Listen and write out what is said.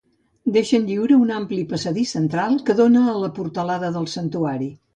Deixen lliure un ampli passadís central que dóna a la portalada del santuari.